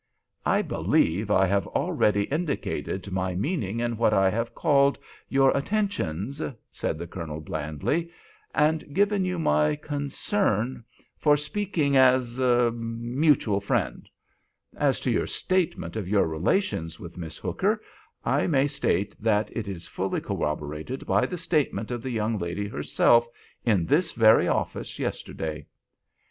"I believe I have already indicated my meaning in what I have called 'your attentions,'" said the Colonel, blandly, "and given you my 'concern' for speaking as—er—er mutual friend. As to your statement of your relations with Miss Hooker, I may state that it is fully corroborated by the statement of the young lady herself in this very office yesterday."